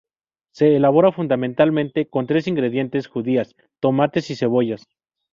Se elabora fundamentalmente con tres ingredientes: judías, tomates y cebollas.